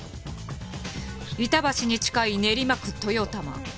板橋に近い練馬区豊玉。